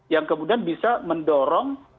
yang kemudian bisa mendorong